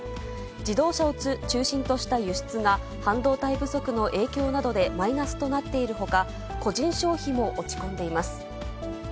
自動車を中心とした輸出が半導体不足の影響などでマイナスとなっているほか、個人消費も落ち込んでいます。